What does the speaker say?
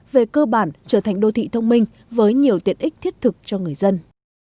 về cơ bản trở thành đô thị thông minh với nhiều tiện ích thiết thực cho người dân